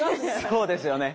そうですよね。